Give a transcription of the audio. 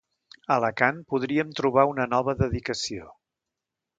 A Alacant podríem trobar una nova dedicació.